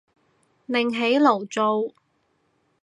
另起爐灶